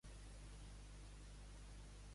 En tinc la seguretat.